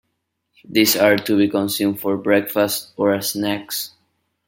These are to be consumed for breakfast or as snacks.